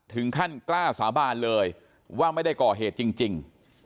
ถึงขั้นกล้าสาบานเลยว่าไม่ได้ก่อเหตุจริง